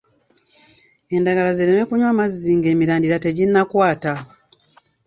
Endagala zireme kunywa mazzi ng’emirandira teginnakwata.